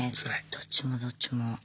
どっちもどっちも。